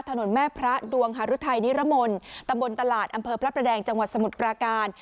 ถนนแม่พระดวงฮารุทัยนิรมนต์ตำบลตลาดอำเภอพระประแดงจังหวัดสมุทรปราการ